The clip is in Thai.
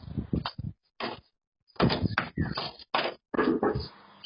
ด้านไข่ที่มันไม่ธรรมดา